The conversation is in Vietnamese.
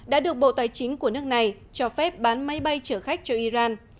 đã được bộ tài chính của nước này cho phép bán máy bay chở khách cho iran